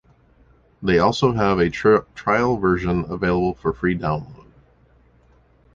They also have a trial version available for free download.